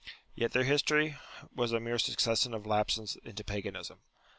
Yet their history was a mere succession of lapses into Paganism.